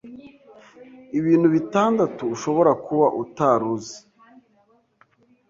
Ibintu bitandatu ushobora kuba utari uzi